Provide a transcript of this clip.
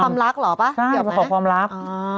ความรักเหรอปะเดี๋ยวไหมใช่ไปขอความรัก